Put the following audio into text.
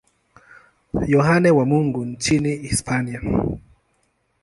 Yohane wa Mungu nchini Hispania.